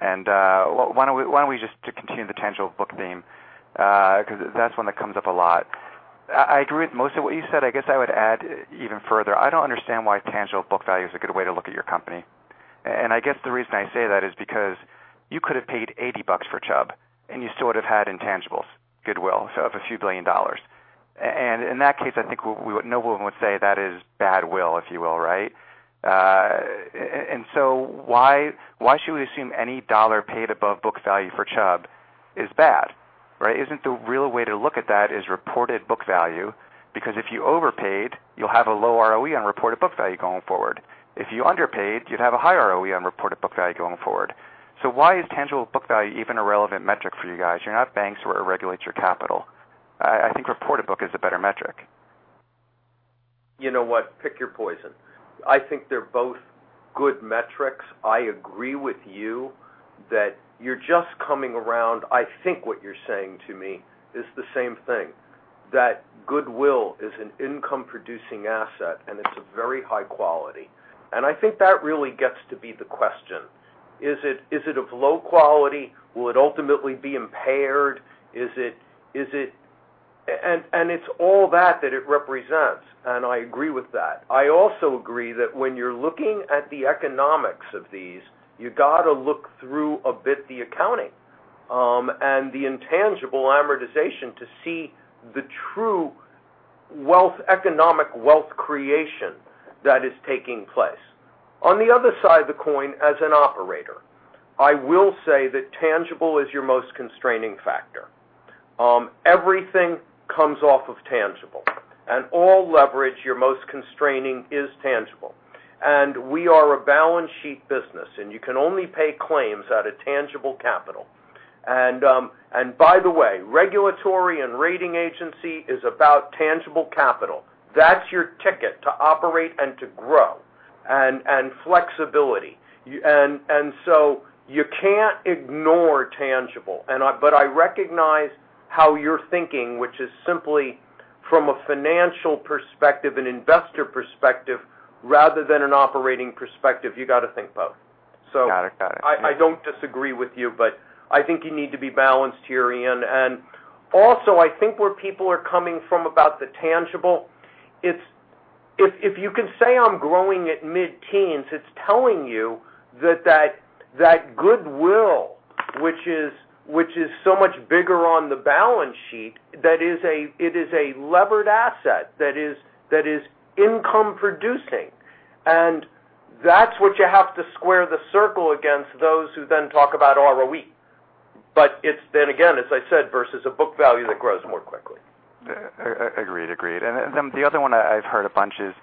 Why don't we just to continue the tangible book theme? Because that's one that comes up a lot. I agree with most of what you said. I guess I would add even further. I don't understand why tangible book value is a good way to look at your company. I guess the reason I say that is because you could have paid $80 for Chubb, and you still would have had intangibles, goodwill, a few billion dollars. In that case, I think no one would say that is bad will, if you will, right? Why should we assume any $1 paid above book value for Chubb is bad, right? Isn't the real way to look at that is reported book value? Because if you overpaid, you'll have a low ROE on reported book value going forward. If you underpaid, you'd have a high ROE on reported book value going forward. Why is tangible book value even a relevant metric for you guys? You're not banks where it regulates your capital. I think reported book is a better metric. You know what? Pick your poison. I think they're both good metrics. I agree with you that you're just coming around. I think what you're saying to me is the same thing, that goodwill is an income producing asset, and it's a very high quality. I think that really gets to be the question. Is it of low quality? Will it ultimately be impaired? It's all that that it represents, and I agree with that. I also agree that when you're looking at the economics of these, you got to look through a bit the accounting, and the intangible amortization to see the true wealth, economic wealth creation that is taking place. On the other side of the coin, as an operator, I will say that tangible is your most constraining factor. Everything comes off of tangible. All leverage, your most constraining is tangible. We are a balance sheet business, and you can only pay claims out of tangible capital. By the way, regulatory and rating agency is about tangible capital. That's your ticket to operate and to grow, and flexibility. You can't ignore tangible. I recognize how you're thinking, which is simply from a financial perspective and investor perspective rather than an operating perspective. You got to think both. Got it. I don't disagree with you, but I think you need to be balanced here, Ian. Also, I think where people are coming from about the tangible, if you can say I'm growing at mid-teens, it's telling you that goodwill, which is so much bigger on the balance sheet, it is a levered asset that is income producing. That's what you have to square the circle against those who then talk about ROE. It's then again, as I said, versus a book value that grows more quickly. Agreed. The other one I've heard a bunch is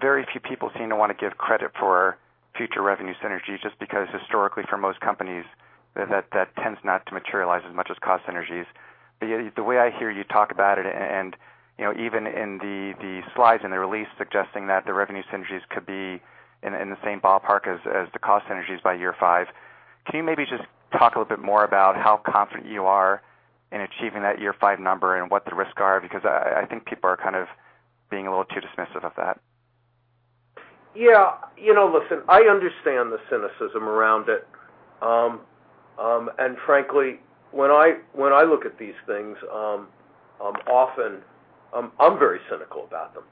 very few people seem to want to give credit for future revenue synergies just because historically for most companies, that tends not to materialize as much as cost synergies. The way I hear you talk about it, even in the slides in the release suggesting that the revenue synergies could be in the same ballpark as the cost synergies by year 5, can you maybe just talk a little bit more about how confident you are in achieving that year 5 number and what the risks are? I think people are kind of being a little too dismissive of that. Yeah. Listen, I understand the cynicism around it. Frankly, when I look at these things, often I'm very cynical about them.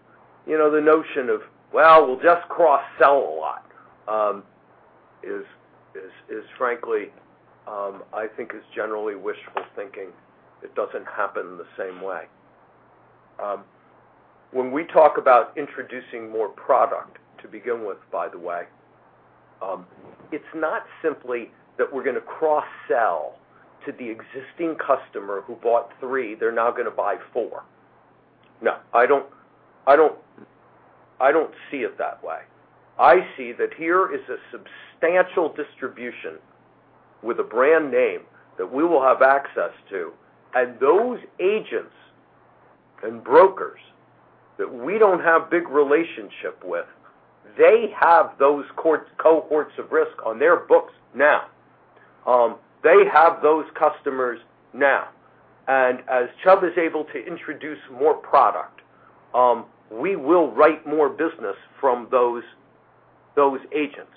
The notion of, well, we'll just cross-sell a lot, frankly, I think is generally wishful thinking. It doesn't happen the same way. When we talk about introducing more product to begin with, by the way, it's not simply that we're going to cross-sell to the existing customer who bought 3, they're now going to buy 4. No, I don't see it that way. I see that here is a substantial distribution with a brand name that we will have access to. Those agents and brokers that we don't have big relationship with, they have those cohorts of risk on their books now. They have those customers now. As Chubb is able to introduce more product, we will write more business from those agents.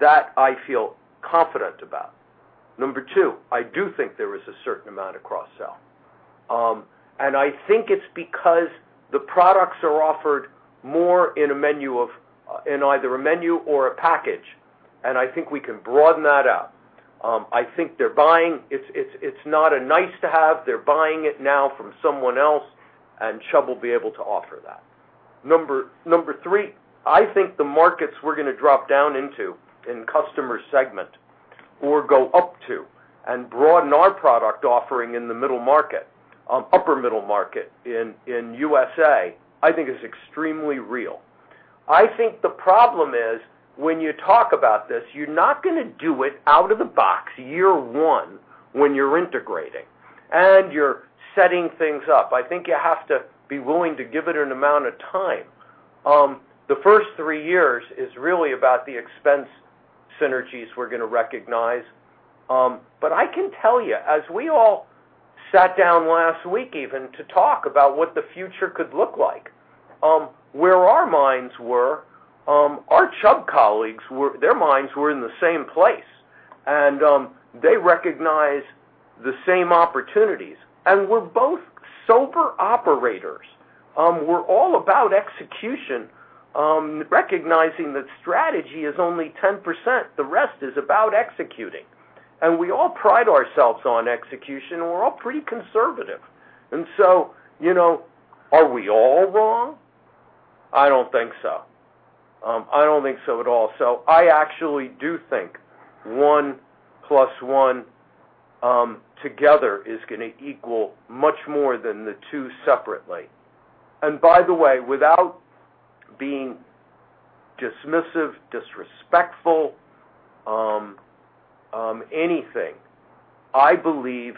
That I feel confident about. Number 2, I do think there is a certain amount of cross-sell. I think it's because the products are offered more in either a menu or a package, I think we can broaden that out. I think they're buying. It's not a nice-to-have. They're buying it now from someone else, Chubb will be able to offer that. Number 3, I think the markets we're going to drop down into in customer segment or go up to and broaden our product offering in the middle market, upper middle market in ACE USA, I think is extremely real. I think the problem is when you talk about this, you're not going to do it out of the box year 1 when you're integrating and you're setting things up. I think you have to be willing to give it an amount of time. The first 3 years is really about the expense synergies we're going to recognize. I can tell you, as we all sat down last week even to talk about what the future could look like, where our minds were, our Chubb colleagues, their minds were in the same place. They recognize the same opportunities. We're both sober operators. We're all about execution, recognizing that strategy is only 10%. The rest is about executing. We all pride ourselves on execution, we're all pretty conservative. Are we all wrong? I don't think so. I don't think so at all. I actually do think one plus one together is going to equal much more than the two separately. By the way, without being dismissive, disrespectful, anything, I believe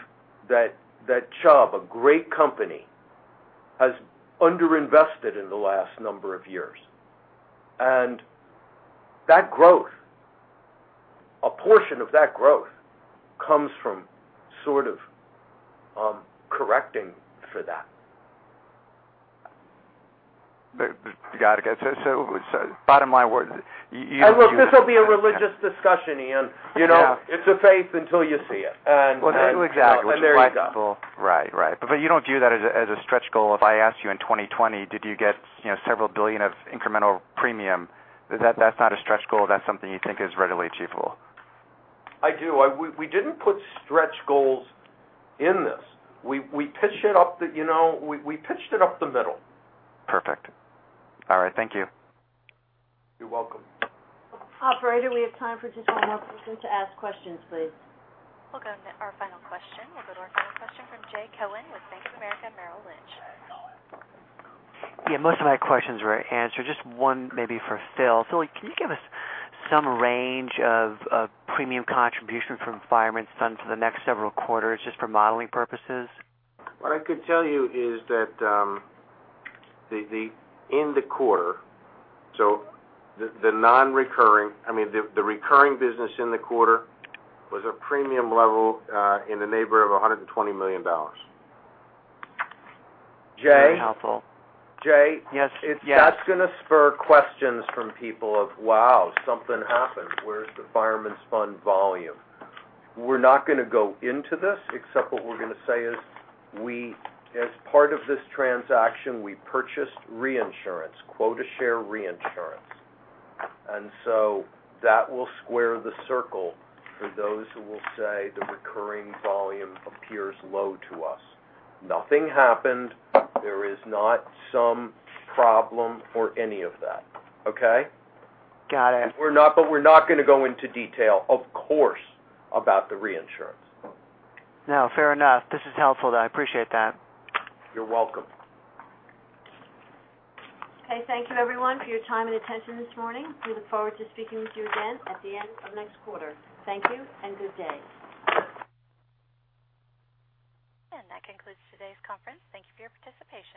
that Chubb, a great company, has underinvested in the last number of years. That growth, a portion of that growth comes from sort of correcting for that. Got it. Bottom line. Look, this will be a religious discussion, Ian. Yeah. It's a faith until you see it. There you go. Exactly, which is why people. Right. You don't view that as a stretch goal. If I asked you in 2020, did you get several billion of incremental premium? That's not a stretch goal. That's something you think is readily achievable. I do. We didn't put stretch goals in this. We pitched it up the middle. Perfect. All right. Thank you. You're welcome. Operator, we have time for just one more person to ask questions, please. We'll go to our final question from Jay Cohen with Bank of America Merrill Lynch. Most of my questions were answered. Just one maybe for Phil. Phil, can you give us some range of premium contribution from Fireman's Fund for the next several quarters, just for modeling purposes? What I could tell you is that in the quarter, the non-recurring, I mean, the recurring business in the quarter was a premium level in the neighbor of $120 million. Jay? That's going to spur questions from people of, wow, something happened. Where's the Fireman's Fund volume? We're not going to go into this, except what we're going to say is, as part of this transaction, we purchased reinsurance, quota share reinsurance. That will square the circle for those who will say the recurring volume appears low to us. Nothing happened. There is not some problem or any of that. Okay? Got it. We're not going to go into detail, of course, about the reinsurance. No, fair enough. This is helpful though. I appreciate that. You're welcome. Thank you everyone for your time and attention this morning. We look forward to speaking with you again at the end of next quarter. Thank you and good day. That concludes today's conference. Thank you for your participation.